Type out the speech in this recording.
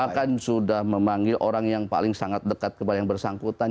bahkan sudah memanggil orang yang paling sangat dekat kepada yang bersangkutan